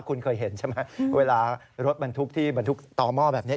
คุณเคยเห็นใช่ไหมเวลารถบรรทุกที่บรรทุกต่อหม้อแบบนี้